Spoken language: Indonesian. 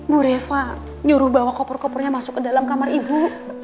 bu reva nyuruh bawa koper kopernya masuk ke dalam kamar ibu